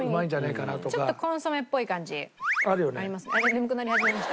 眠くなり始めました？